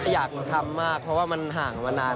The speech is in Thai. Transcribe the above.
แต่อยากทำมากเพราะว่ามันห่างมานาน